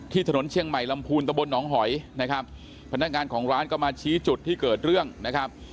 ถนนเชียงใหม่ลำพูนตะบลหนองหอยนะครับพนักงานของร้านก็มาชี้จุดที่เกิดเรื่องนะครับ